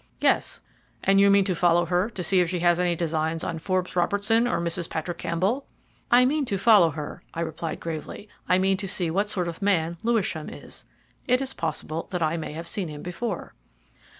"Yes." "And you mean to follow her to see if she has any designs on Forbes Robertson or Mrs. Patrick Campbell?" "I mean to follow her," I replied gravely. "I mean to see what sort of man Lewisham is. It is possible that I may have seen him before."